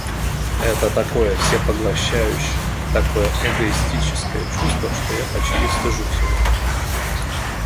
Это такое всепоглощающее, такое эгоистическое чувство, что я почти стыжусь его